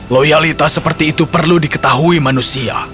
loyalitas seperti itu perlu diketahui manusia